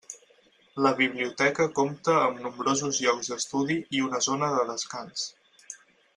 La biblioteca compta amb nombrosos llocs d'estudi i una zona de descans.